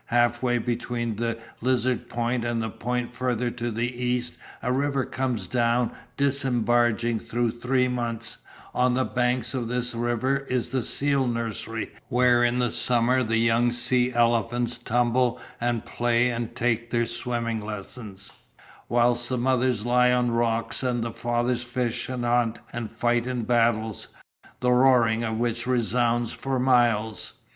Half way between the lizard point and the point further to the east a river comes down disembarging through three months; on the banks of this river is the seal nursery where in summer the young sea elephants tumble and play and take their swimming lessons, whilst the mothers lie on rocks and the fathers fish and hunt and fight in battles, the roaring of which resounds for miles.